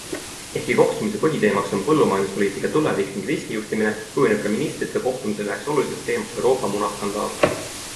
Ehkki kohtumise põhiteemaks on põllumajanduspoliitika tulevik ning riskijuhtimine, kujuneb ka ministrite kohtumisel üheks oluliseks teemaks Euroopa munaskandaal.